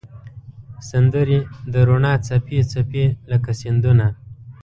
سندرې د روڼا څپې، څپې لکه سیندونه